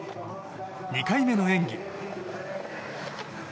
２回目の演技。